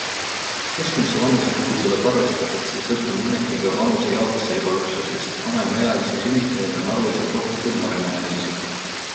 Keskmise vanuse puhul tuleb arvestada, et see sõltub mõneti ka vanusjaotuse ebaühtlusest - vanemaealisi sünnitajaid on arvuliselt rohkem kui nooremaealisi.